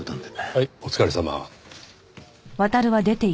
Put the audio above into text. はいお疲れさま。